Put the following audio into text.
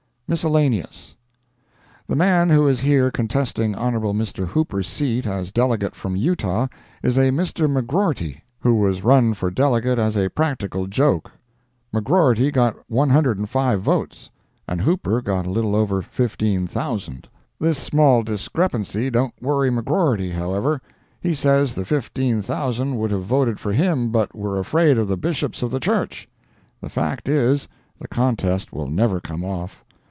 Miscellaneous. The man who is here contesting Hon. Mr. Hooper's seat as delegate from Utah, is a Mr. McGrorty, who was run for delegate as a practical joke. McGrorty got 105 votes, and Hooper got a little over 15,000. This small discrepancy don't worry McGrorty, however. He says the 15,000 would have voted for him but were afraid of the bishops of the church. The fact is, the contest will never come off.